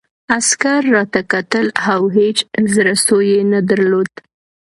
عسکر راته کتل او هېڅ زړه سوی یې نه درلود